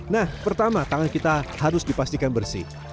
nah pertama tangan kita harus dipastikan bersih